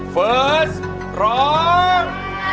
เฟิร์สร้อง